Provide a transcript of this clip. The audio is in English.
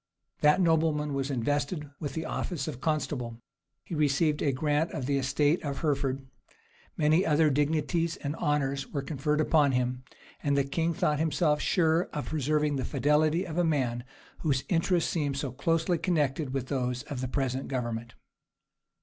That nobleman was invested with the office of constable; he received a grant of the estate of Hereford;[*] many other dignities and honors were conferred upon him; and the king thought himself sure of preserving the fidelity of a man whose interests seemed so closely connected with those of the present government.